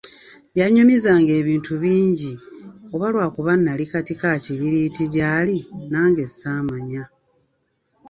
Yannyumizanga ebintu bingi oba lwakuba nnali kati ka kibiriiti gy'ali, nange ssaamanya.